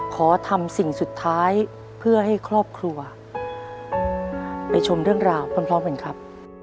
ขอทำสิ่งสุดท้ายเพื่อให้ครอบครัวไปชมเรื่องราวพร้อมกันครับ